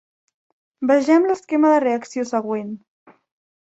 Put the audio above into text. Vegem l'esquema de reacció següent.